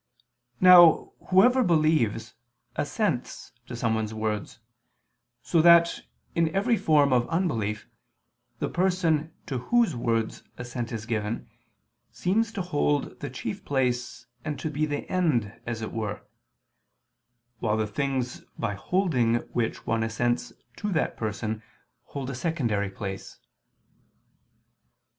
Now, whoever believes, assents to someone's words; so that, in every form of unbelief, the person to whose words assent is given seems to hold the chief place and to be the end as it were; while the things by holding which one assents to that person hold a secondary place.